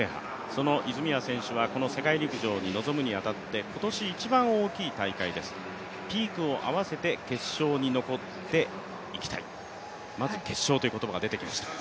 その泉谷選手はこの世界陸上に臨むに当たって今年一番大きい大会です、ピークを合わせて決勝に残っていきたい、まず決勝という言葉が出てきました。